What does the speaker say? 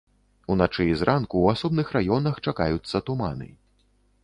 Уначы і зранку ў асобных раёнах чакаюцца туманы.